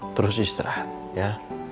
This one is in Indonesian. terus istirahat ya